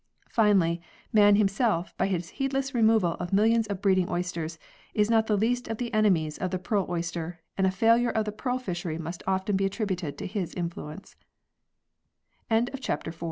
Finally, man him self, by his heedless removal of millions of breeding oysters, is not the least of the enemies of the pearl oyster, and a failure of the pearl fishery must often be attributed